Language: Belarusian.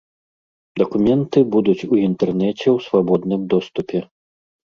Дакументы будуць у інтэрнэце ў свабодным доступе.